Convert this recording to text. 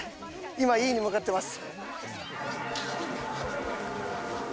今Ｅに向かってます。